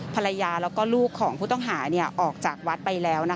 พลายะลูกและผู้ต้องหาออกจากวัดไปแล้ว